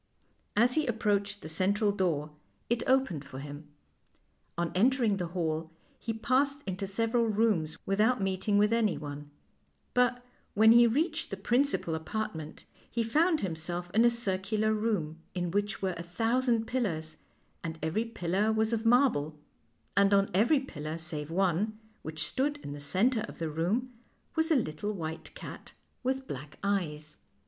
As he approached the central door it opened THE LITTLE WHITE CAT 145 for him. On entering the hall he passed into several rooms without meeting with anyone; but, when he reached the principal apartment, he found himself in a circular room, in which were a thousand pillars, and every pillar was of marble, and on every pillar save one, which stood in the centre of the room, was a little white cat with black eyes.